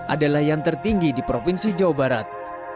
adalah yang tertinggi di provinsi jawa barat